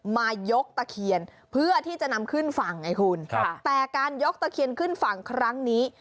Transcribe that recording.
มายกตะเคียนเพื่อที่จะนำขึ้นฝั่งไงคุณค่ะแต่การยกตะเคียนขึ้นฝั่งครั้งนี้